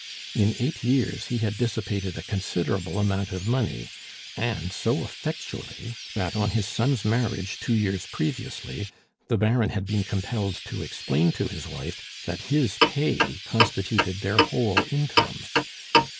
In eight years he had dissipated a considerable amount of money; and so effectually, that, on his son's marriage two years previously, the Baron had been compelled to explain to his wife that his pay constituted their whole income.